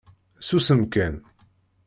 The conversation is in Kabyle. Susem kan.